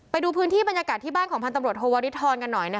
ไปดูพื้นที่บรรยากาศที่บ้านของพันธ์ตำรวจโทวริทรกันหน่อย